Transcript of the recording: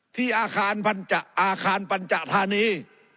ที่อาคารปัญจธานี